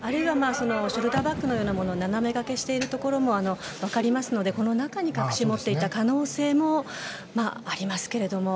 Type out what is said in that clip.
ショルダーバッグのようなもの斜めがけしているところも分かりますのでこの中に隠し持っていた可能性もありますけれども。